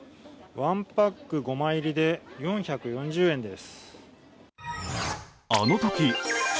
ワンパック５枚入りで４４０円です。